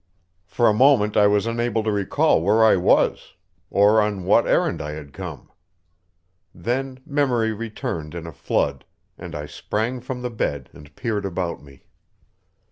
For a moment I was unable to recall where I was, or on what errand I had come. Then memory returned in a flood, and I sprang from the bed and peered about me.